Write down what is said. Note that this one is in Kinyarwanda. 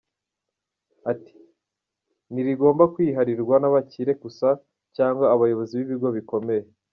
Ati ntirigomba kwiharirwa n'abakire gusa cyangwa abayobozi b'ibigo bikomeye.